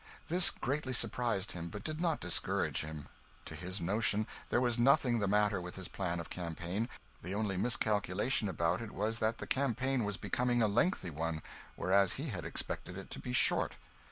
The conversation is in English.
This greatly surprised him, but did not discourage him. To his notion, there was nothing the matter with his plan of campaign; the only miscalculation about it was that the campaign was becoming a lengthy one, whereas he had expected it to be short.